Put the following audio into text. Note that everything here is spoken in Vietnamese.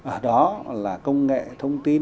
ở đó là công nghệ thông tin